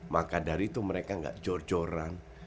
maka dari itu mereka nggak jor joran